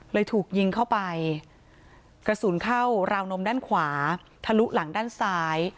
ถูกยิงเข้าไปกระสุนเข้าราวนมด้านขวาทะลุหลังด้านซ้าย